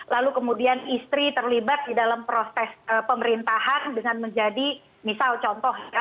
lalu kemudian istri terlibat di dalam proses pemerintahan dengan menjadi misal contoh ya